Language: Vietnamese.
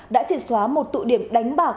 đã triệt xóa một tụ điểm đánh bạc